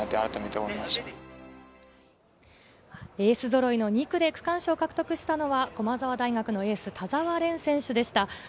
エース揃いの２区で区間賞を獲得したのは駒澤大学の田澤廉選手でした。